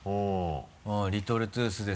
「リトルトゥースで」